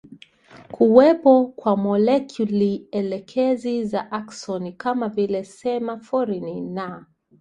kuwepo kwa molekulielekezi za aksoni kama vile semaforini na